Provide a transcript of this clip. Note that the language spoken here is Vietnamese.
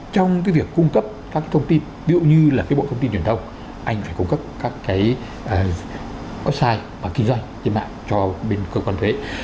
trong cái việc cung cấp các thông tin ví dụ như là cái bộ thông tin truyền thông anh phải cung cấp các cái website và kinh doanh trên mạng cho bên cơ quan thuế